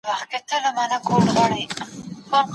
مشرانو به د ولس د حقوقو د ساتني لپاره هر ډول ستونزي ګاللې.